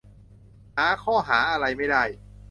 หาข้อหาอะไรไม่ได้